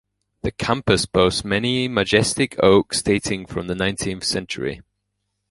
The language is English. The campus boasts many majestic oaks dating from the nineteenth century.